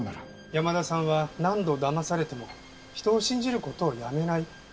山田さんは何度騙されても人を信じる事をやめない。